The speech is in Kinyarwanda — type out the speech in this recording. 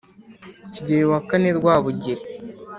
kigeli wa kane rwabugi